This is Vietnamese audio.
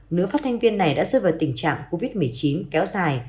nữ phát thanh viên này đã rơi vào tình trạng covid một mươi chín kéo dài